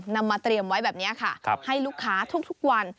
นำมาเตรียมไว้แบบนี้ค่ะให้ลูกค้าทุกวัน